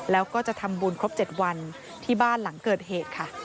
แล้วก็จะทำบุญครบ๗วันที่บ้านหลังเกิดเหตุค่ะ